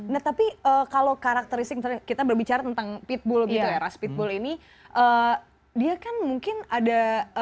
ya tapi kalau karakteristik kita berbicara tentang pitbull ras pitbull ini dia kan mungkin ada